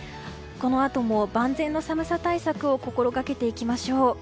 このあとも万全の寒さ対策を心がけていきましょう。